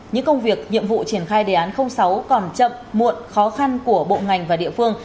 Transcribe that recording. những công việc nhiệm vụ triển khai đề án sáu còn chậm muộn khó khăn của bộ ngành và địa phương